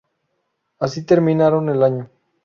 Así terminaron el año.